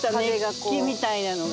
熱気みたいなのが。